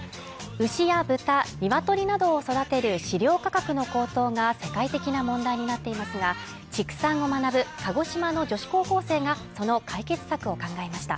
牛や豚、鶏などを育てる資料価格の高騰が世界的な問題になっていますが、畜産を学ぶ鹿児島の女子高校生がその解決策を考えました。